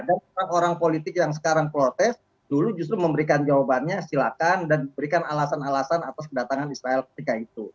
dan orang orang politik yang sekarang protes dulu justru memberikan jawabannya silakan dan diberikan alasan alasan atas kedatangan israel ketika itu